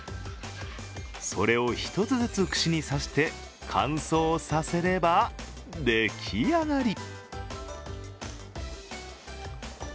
それを１つずつ串に刺して乾燥させれば、出来上がり。